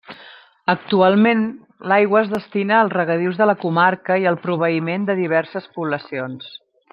Actualment l'aigua es destina als regadius de la comarca i al proveïment de diverses poblacions.